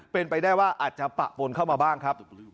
เป็นไปได้ว่าอาจจะปะปนเข้ามาบ้างครับ